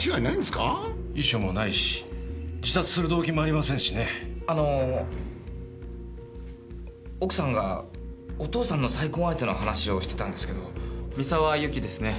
遺書もないし自殺する動機もありませんしねあの奥さんがお父さんの再婚相手の話をしてたんですけど三沢友紀ですね